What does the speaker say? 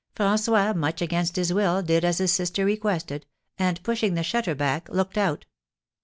François, much against his will, did as his sister requested, and pushing the shutter back, looked out.